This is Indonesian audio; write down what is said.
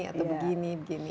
atau begini begini